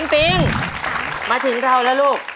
ปิงมาถึงเราแล้วลูก